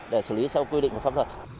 để xử lý sau quy định của pháp luật